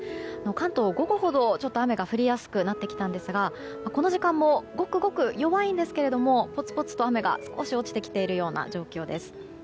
関東、午後ほど、雨が降りやすくなってきたんですがこの時間もごくごく弱いんですけれどもぽつぽつと雨が少し落ちてきている状況です。